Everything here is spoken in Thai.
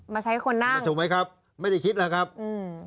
มาใช้ให้คนนั่งถูกไหมครับไม่ได้คิดแหละครับอืม